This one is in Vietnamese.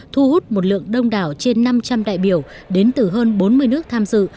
thu hút một lượng đông đảo trên năm trăm linh đại biểu đến từ hơn bốn mươi nước tham dự